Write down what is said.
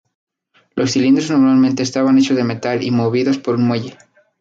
Los cilindros normalmente estaban hechos de metal, y movidos por un muelle.